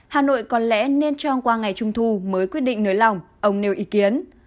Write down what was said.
hà nội có lẽ nên trong qua ngày trung thu mới quyết định nới lỏng ông nêu ý kiến